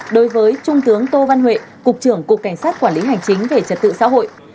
đối với trung tướng tô văn huệ cục trưởng cục cảnh sát quản lý hành chính về trật tự xã hội